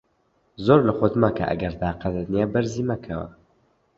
زۆر لە خۆت مەکە، ئەگەر تاقەتت نییە بەرزی مەکەوە.